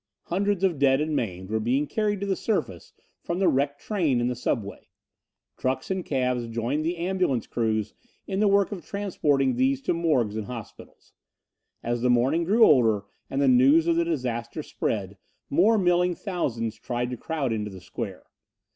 Hundreds of dead and maimed were being carried to the surface from the wrecked train in the subway. Trucks and cabs joined the ambulance crews in the work of transporting these to morgues and hospitals. As the morning grew older and the news of the disaster spread, more milling thousands tried to crowd into the square.